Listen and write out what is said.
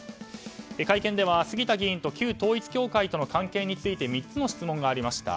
会見では杉田議員と旧統一教会との関係について３つの質問がありました。